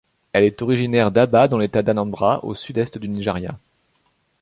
Elle est originaire d’Abba dans l’État d'Anambra, au sud-est du Nigeria.